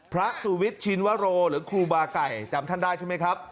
สุวิทย์ชินวโรหรือครูบาไก่จำท่านได้ใช่ไหมครับ